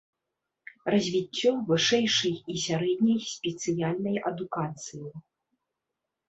Развіццё вышэйшай і сярэдняй спецыяльнай адукацыі.